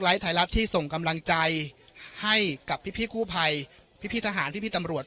ไลท์ไทยรัฐที่ส่งกำลังใจให้กับพี่พี่กู้ภัยพี่พี่ทหารพี่พี่ตำรวจ